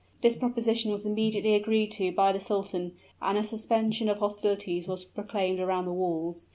This proposition was immediately agreed to by the sultan, and a suspension of hostilities was proclaimed around the walls.